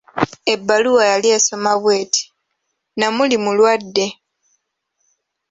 Ebbaluwa yali esoma bw'eti; Namuli mulwadde.